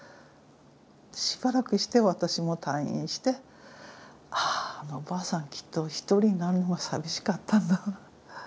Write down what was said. しばらくして私も退院してあああのおばあさんきっと一人になるのが寂しかったんだ。